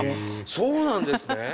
そうなんですね。